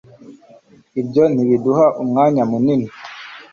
ibyo ntibiduha umwanya munini